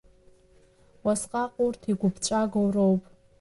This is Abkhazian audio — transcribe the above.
Уасҟак урҭ игәыԥҵәагоу роуп…